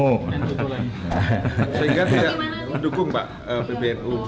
sehingga tidak mendukung pak pbnu